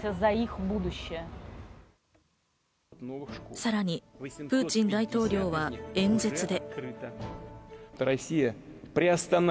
さらにプーチン大統領は演説で。